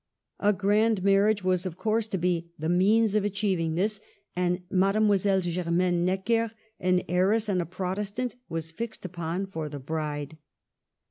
A grand marriage was, of course, to be the means of achieving this ; and Mademoiselle Ger maine Necker, an heiress and a Protestant, was fixed upon for the bride.